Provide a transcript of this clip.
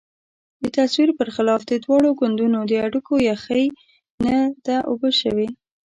د تصور پر خلاف د دواړو ګوندونو د اړیکو یخۍ نه ده اوبه شوې.